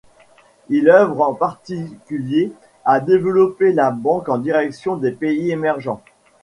Il œuvre en particulier à développer la banque en direction des pays émergents.